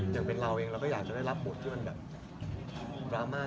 อย่างเป็นเราเองเราก็อยากจะได้รับบทที่มันแบบดราม่า